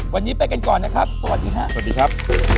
วันนี้ไปกันก่อนนะครับสวัสดีครับสวัสดีครับ